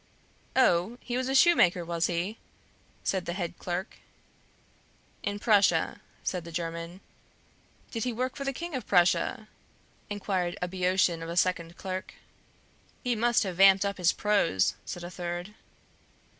"Oh! he was a shoemaker, was he?" said the head clerk. "In Prussia," said the German. "Did he work for the King of Prussia?" inquired a Boeotian of a second clerk. "He must have vamped up his prose," said a third.